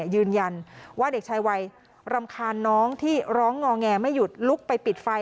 ยืนยันว่าเด็กชายวัยรำคาญน้องที่ร้องงอแงไม่หยุดลุกไปปิดไฟ